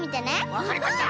わかりました。